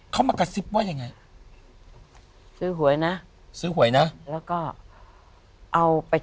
เขามากระซิบว่ายังไง